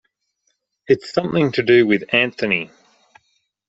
It's something to do with Anthony.